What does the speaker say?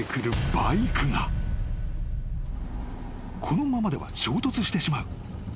［このままでは衝突してしまう］